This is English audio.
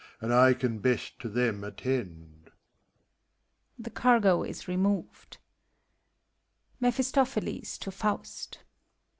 And I can best to them attend.